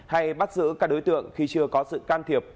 hay bắt giữ các đối tượng khi chưa có sự can thiệp